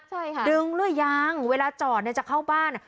ใช่ค่ะดึงหรือยังเวลาจอดเนี่ยจะเข้าบ้าน